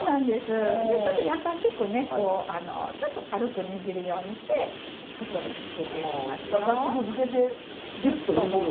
ちょっと優しくちょっと軽く握るようにしてかつおだし、つけていきますよ。